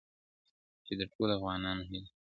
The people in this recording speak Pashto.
چي د ټولو افغانانو هیله ده،،!